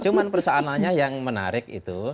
cuma persoalannya yang menarik itu